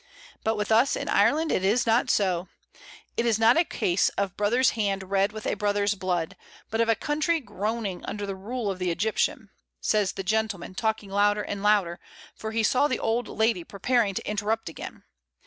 But with us in Ireland it COFFEE. 49 is not so. It is not a case of brother's hand red with a brother's blood; but of a country groaning under the rule of the Egjrptian," says the gentle man, talking louder and louder, for he saw the old lady preparing to interrupt again.